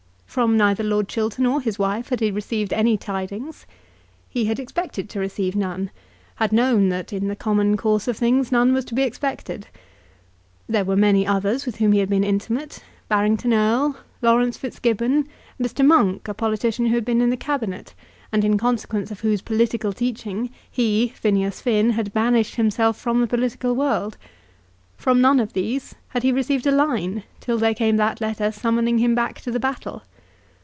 From neither Lord Chiltern or his wife had he received any tidings. He had expected to receive none, had known that in the common course of things none was to be expected. There were many others with whom he had been intimate Barrington Erle, Laurence Fitzgibbon, Mr. Monk, a politician who had been in the Cabinet, and in consequence of whose political teaching he, Phineas Finn, had banished himself from the political world; from none of these had he received a line till there came that letter summoning him back to the battle.